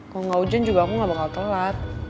kalau gak ujan juga aku gak bakal telat